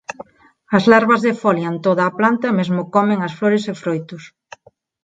As larvas defolian toda a planta e mesmo comen as flores e froitos.